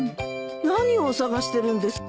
何を捜してるんですか？